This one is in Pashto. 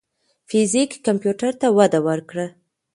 فزیک کمپیوټر ته وده ورکړه.